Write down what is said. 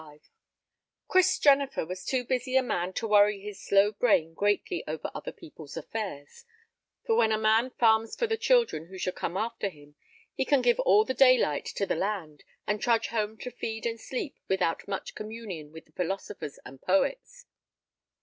XXXV Chris Jennifer was too busy a man to worry his slow brain greatly over other people's affairs, for when a man farms for the children who shall come after him he can give all the daylight to the land, and trudge home to feed and sleep without much communion with the philosophers and poets.